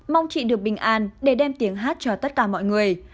mong chị được bình an để đem tiếng hát cho tất cả mọi người